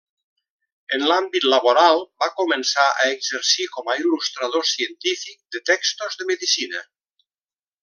En l'àmbit laboral, va començar a exercir com a il·lustrador científic de textos de medicina.